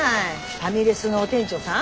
ファミレスの店長さん？